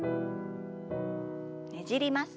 ねじります。